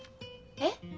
えっ？